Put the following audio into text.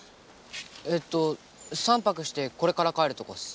えっと３泊してこれから帰るとこっす。